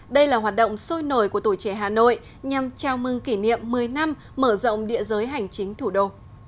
đây là hoạt động sôi nổi của tuổi trẻ hà nội nhằm chào mừng kỷ niệm một mươi năm mở rộng địa giới hành chính thủ đô